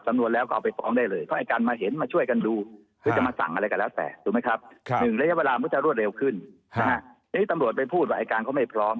มีที่ประชารพูดอายการไม่พร้อม